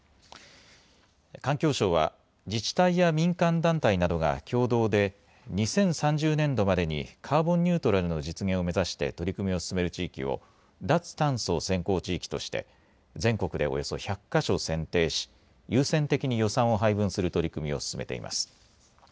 環境省は自治体や民間団体などが共同で２０３０年度までにカーボンニュートラルの実現を目指して取り組みを進める地域を脱炭素先行地域として全国でおよそ１００か所選定し優先的に予算を配分する取り組みを進めています。